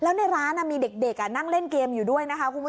แล้วในร้านมีเด็กนั่งเล่นเกมอยู่ด้วย